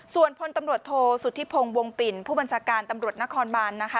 ส่วนพลตำรวจโทษสุธิพงศ์วงปิ่นผู้บัญชาการตำรวจนครบานนะคะ